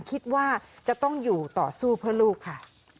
คิดว่าจะต้องอยู่ต่อสู้เพื่อลูกค่ะ